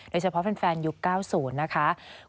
โดยเฉพาะแฟนยุค๙๐นะคะ